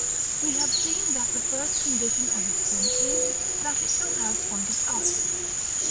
We have seen that the first condition of its form is, that it shall have pointed arches.